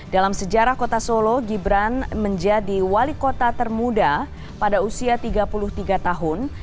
dalam sejarah kota solo gibran menjadi wali kota termuda pada usia tiga puluh tiga tahun